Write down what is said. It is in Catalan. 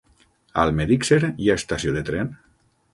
A Almedíxer hi ha estació de tren?